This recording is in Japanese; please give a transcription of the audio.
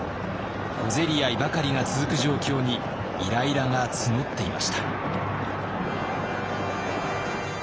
小競り合いばかりが続く状況にイライラが募っていました。